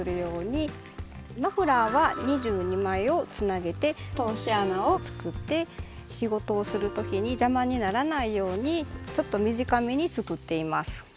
マフラーは２２枚をつなげて通し穴を作って仕事をする時に邪魔にならないようにちょっと短めに作っています。